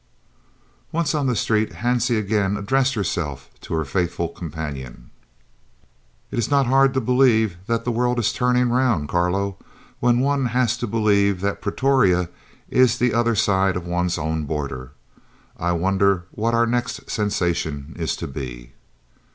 Once on the street, Hansie again addressed herself to her faithful companion: "It is not hard to believe that the world is turning round, Carlo, when one has to believe that Pretoria is the other side of one's own border. I wonder what our next sensation is to be."